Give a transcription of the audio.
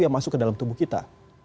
yang masuk ke dalam tubuh kita